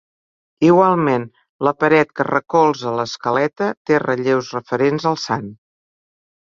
Igualment, la paret que recolza l'escaleta té relleus referents al sant.